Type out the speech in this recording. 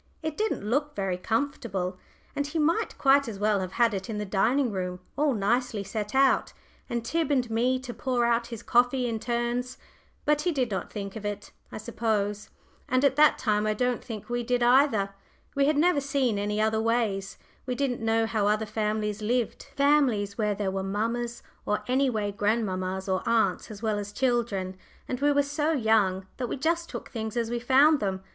It didn't look very comfortable, and he might quite as well have had it in the dining room all nicely set out, and Tib and me to pour out his coffee in turns. But he did not think of it, I suppose, and at that time I don't think we did, either. We had never seen any other "ways;" we didn't know how other families lived families where there were mammas, or any way grandmammas, or aunts, as well as children, and we were so young that we just took things as we found them.